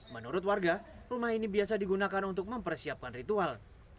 menurut warga rumah ini biasa digunakan untuk mempersiapkan ritual